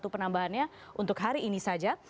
dua puluh satu penambahannya untuk hari ini saja